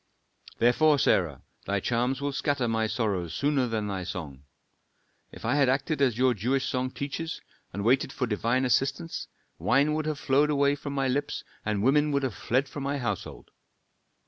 "Therefore, Sarah, thy charms will scatter my sorrows sooner than thy song. If I had acted as your Jewish song teaches, and waited for divine assistance, wine would have flowed away from my lips, and women would have fled from my household.